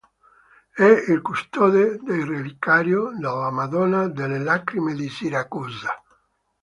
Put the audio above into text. È il custode del Reliquiario della Madonna delle Lacrime di Siracusa.